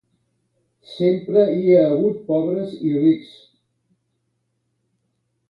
Sempre hi ha hagut pobres i rics.